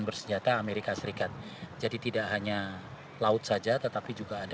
bersenjata amerika serikat jadi tidak hanya laut saja tetapi juga ada